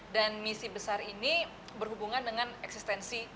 dan misi besar ini berhubungan dengan eksistensi